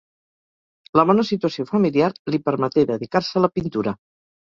La bona situació familiar li permeté dedicar-se a la pintura.